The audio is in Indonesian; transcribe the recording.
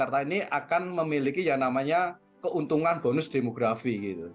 sampai kapanpun ya sampai kapanpun jakarta ini akan memiliki yang namanya keuntungan bonus demografi